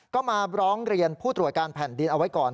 ก็มาร้องเรียนผู้ตรวจการแผ่นดินเอาไว้ก่อน